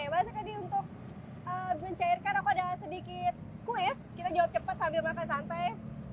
oke mas eko jadi untuk mencairkan aku ada sedikit quiz kita jawab cepat sambil makan santai